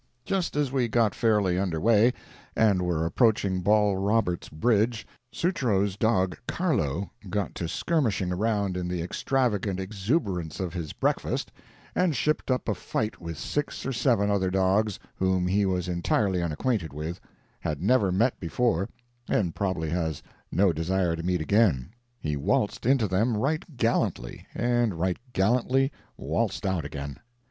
Just as we got fairly under way, and were approaching Ball Robert's bridge, Sutro's dog, "Carlo," got to skirmishing around in the extravagant exuberance of his breakfast, and shipped up a fight with six or seven other dogs whom he was entirely unacquainted with, had never met before and probably has no desire to meet again. He waltzed into them right gallantly and right gallantly waltzed out again.